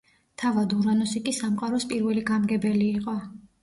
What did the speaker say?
თავად ურანოსი კი სამყაროს პირველი გამგებელი იყო.